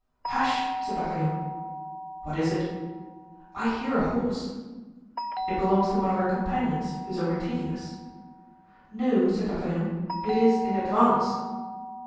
"Hush!" said D'Artagnan. "What is it?" "I hear a horse." "It belongs to one of our companions, who is overtaking us." "No," said D'Artagnan, "it is in advance."